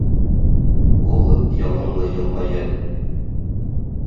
Ул, яғымлы йылмайып: